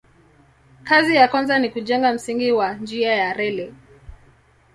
Kazi ya kwanza ni kujenga msingi wa njia ya reli.